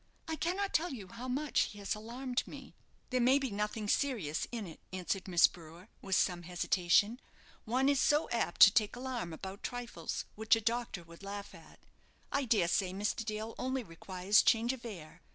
I cannot tell you how much he has alarmed me." "There may be nothing serious in it," answered Miss Brewer, with some hesitation. "One is so apt to take alarm about trifles which a doctor would laugh at. I dare say Mr. Dale only requires change of air.